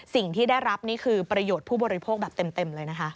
สิ่งที่ได้รับนี่คือประโยชน์ผู้บริโภคแบบเต็มเลยนะคะ